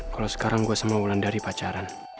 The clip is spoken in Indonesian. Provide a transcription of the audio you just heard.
kalo sekarang gua sama wulan dari pacaran